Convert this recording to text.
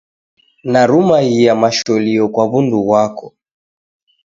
Narumaghia masholio kwa w'undu ghwako.